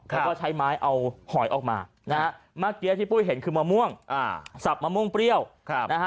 ก็ใช้ไม้เอาหอยออกมานะแบบที่พูดเห็นที่มะม่วงนะฮะสับมะม่วงเปรี้ยวนะฮะ